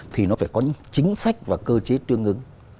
thì nó phải có những chính sách và cơ chế tương ứng